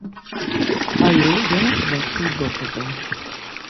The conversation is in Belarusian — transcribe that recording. Але я не пабачыў доказаў.